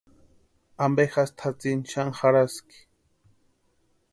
¿Ampe jásï tʼatsïni xani jarhaski?